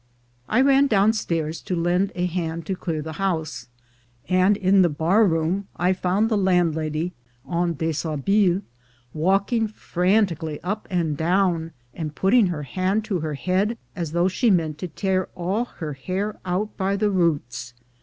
I ran downstairs to lend a hand to clear the house, and in the bar room I found the landlady, en deshabille, walking frantically up and down, and putting her hand to her head as though she meant to tear all her hair out by the roots.